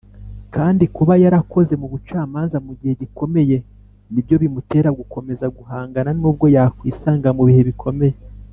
kandi kuba yarakoze mu bucamanza mu gihe gikomeye nibyo bimutera gukomeza guhangana nubwo yakwisanga mu bihe bikomeye.